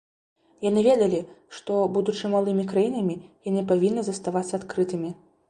Яны ведалі, што, будучы малымі краінамі, яны павінны заставацца адкрытымі.